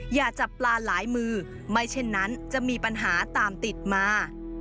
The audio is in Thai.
อย่าจับปลาหลายมือไม่เช่นนั้นจะมีปัญหาตามติดมา